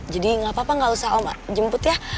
jadi gak apa apa gak usah om jemput ya